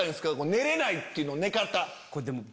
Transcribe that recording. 寝れないっていうの寝方。